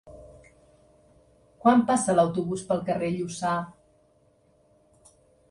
Quan passa l'autobús pel carrer Lluçà?